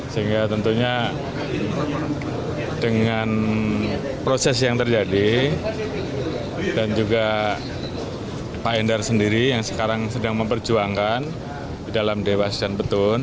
sehingga tentunya dengan proses yang terjadi dan juga pak endar sendiri yang sekarang sedang memperjuangkan di dalam dewas dan petun